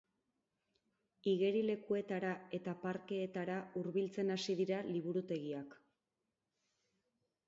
Igerilekuetara eta parkeetara hurbiltzen hasi dira liburutegiak.